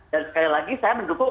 dan sekali lagi saya mendukung